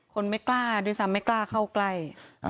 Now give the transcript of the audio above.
คนไม่กล้าด้วยซ้ำไม่กล้าเข้าใกล้